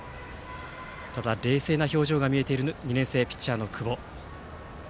ただ、冷静な表情が見えている２年生ピッチャーの久保。